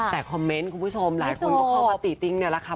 แต่คอมเมนต์คุณผู้ชมหลายคนเข้ามาตีติ้งแหละค่ะ